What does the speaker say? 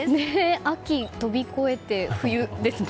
秋を飛び越えて、冬ですね。